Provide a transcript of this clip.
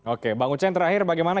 oke bang uceng terakhir bagaimana